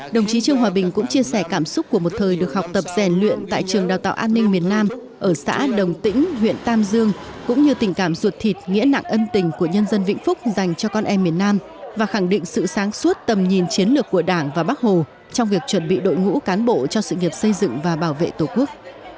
đồng chí trương hòa bình cũng chia sẻ cảm xúc của một thời được học tập rèn luyện tại trường đào tạo an ninh miền nam ở xã đồng tĩnh huyện tam dương cũng như tình cảm ruột thịt nghĩa nặng ân tình của nhân dân vĩnh phúc dành cho con em miền nam và khẳng định sự sáng suốt tầm nhìn chiến lược của đảng và bắc hồ trong việc chuẩn bị đội ngũ cán bộ cho sự nghiệp xây dựng và bảo vệ tổ quốc